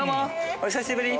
お久しぶり。